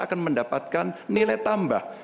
akan mendapatkan nilai tambah